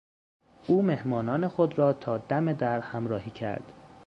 او مهمانان خود را تا دم در همراهی کرد.